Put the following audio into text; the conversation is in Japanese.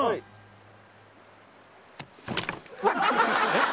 えっ？